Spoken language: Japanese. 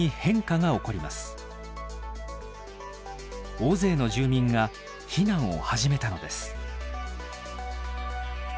大勢の住民が避難を始めたのです。